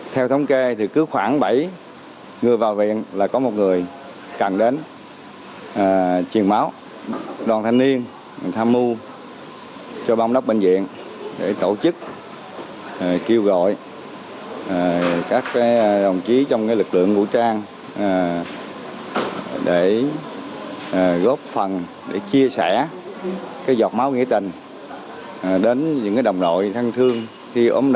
theo thống kê thì cứ khoảng bảy người vào viện là có một người cần đến truyền máu đoàn thanh niên tham mưu cho ban giám đốc bệnh viện để tổ chức kêu gọi các đồng chí trong lực lượng vũ trang để góp phần để chia sẻ cái giọt máu nghĩa tình đến những đồng đội thân thương khi ốm đau